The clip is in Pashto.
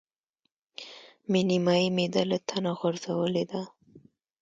مې نيمایي معده له تنه غورځولې ده.